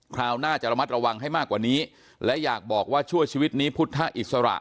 คราวหน้าจะระมัดระวังให้มากกว่านี้และอยากบอกว่าชั่วชีวิตนี้พุทธอิสระ